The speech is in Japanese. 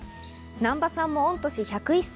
難波さんも御年１０１歳。